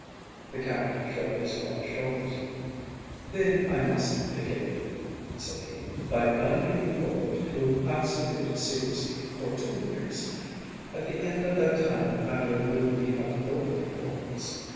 ‚ÄĚ The Count shrugged his broad shoulders. “Then I must begin,‚ÄĚ said he, “by binding you both to absolute secrecy for two years; at the end of that time the matter will be of no importance.